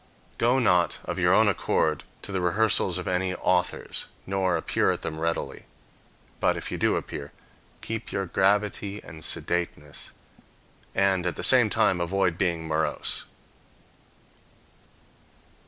Go not [of your own accord] to the rehearsals of any authors , nor appear [at them] readily. But, if you do appear, keepyour gravity and sedateness, and at the same time avoid being morose.